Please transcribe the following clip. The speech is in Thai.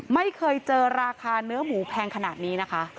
ไม่เคยเจอราคาเนื้อหมูแพงขนาดนี้นะคะ